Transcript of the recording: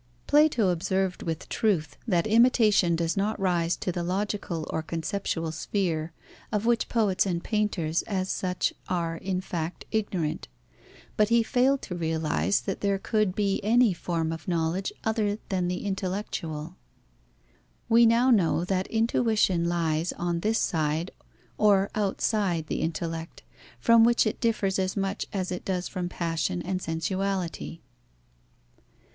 Plato observed with truth, that imitation does not rise to the logical or conceptual sphere, of which poets and painters, as such, are, in fact, ignorant. But he failed to realize that there could be any form of knowledge other than the intellectual. We now know that Intuition lies on this side or outside the Intellect, from which it differs as much as it does from passion and sensuality.